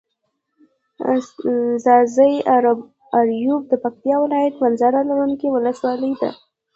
ځاځي اريوب د پکتيا ولايت منظره لرونکي ولسوالي ده.